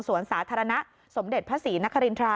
สาธารณะสมเด็จพระศรีนครินทรา